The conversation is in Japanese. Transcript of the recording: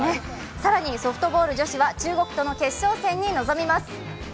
更にソフトボール女子は中国との決勝戦に臨みます。